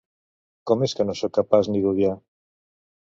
Com és que no sóc capaç ni d'odiar?